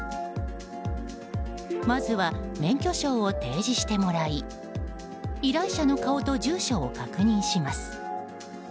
まずは、免許証を提示してもらい依頼者の顔と住所を確認します。